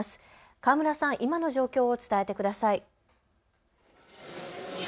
川村さん、今の状況を伝えてください。